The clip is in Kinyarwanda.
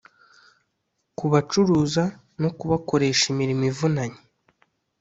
kubacuruza no kubakoresha imirimo ivunanye